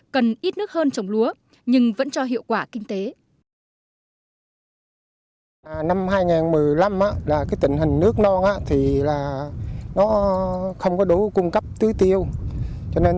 cần ít nước hơn trồng lúa nhưng vẫn cho hiệu quả kinh tế